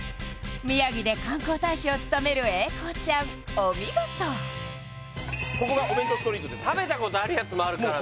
宮城で観光大使を務める英孝ちゃんお見事ここがお弁当ストリートですので食べたことあるやつもあるからな